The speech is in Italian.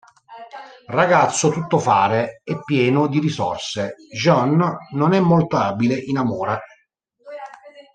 Ragazzo tutto fare e pieno di risorse, Jean non è molto abile in amore.